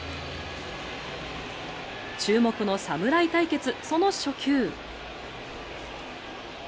注目の侍対決その初球。